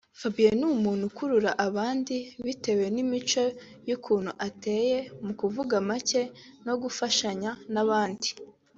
Fabien ni umuntu ukurura abandi bitewe n’imico y’ukuntu ateye mu kuvuga make no gufashanya n’abandi